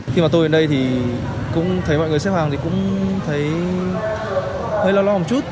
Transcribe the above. khi mà tôi ở đây thì cũng thấy mọi người xếp hàng thì cũng thấy hơi lo lắng một chút